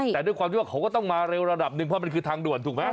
แต่ด้วยความที่ว่าเขาก็ต้องมาเร็วระดับหนึ่งเพราะมันคือทางด่วนถูกไหม